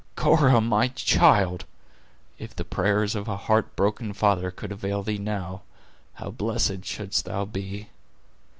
Cora, my child! if the prayers of a heart broken father could avail thee now, how blessed shouldst thou be!